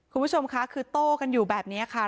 คุณผู้ชมค่ะคือโต้กันอยู่แบบนี้ค่ะ